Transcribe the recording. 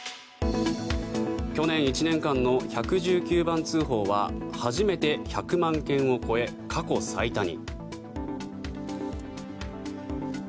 去年１年間の１１９番通報は初めて１００万件を超え過去最多に。